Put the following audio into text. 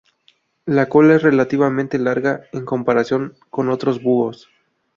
La cola es relativamente larga en comparación con otros búhos.